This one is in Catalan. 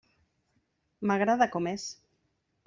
M'agrada com és.